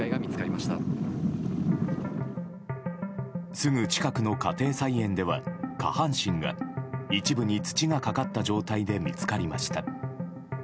すぐ近くの家庭菜園では下半身が一部に土がかかった状態で見つかりました。